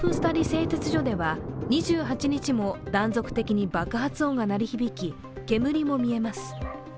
製鉄所では２８日も断続的に爆発音が鳴り響き煙も見えます。